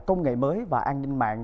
công nghệ mới và an ninh mạng